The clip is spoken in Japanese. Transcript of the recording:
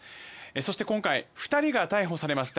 そして今回２人が逮捕されました